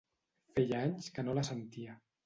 Feia anys que no la sentia.